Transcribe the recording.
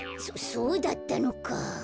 そそうだったのか。